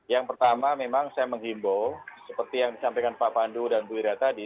yang pertama memang saya menghimbau seperti yang disampaikan pak pandu dan bu ira tadi